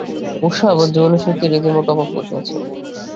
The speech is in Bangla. উৎসাহ এবং জীবনীশক্তির রীতিমতো অভাব ঘটিয়াছে।